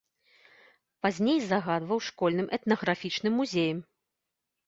Пазней загадваў школьным этнаграфічным музеем.